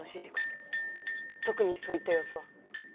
特にそういった様子は。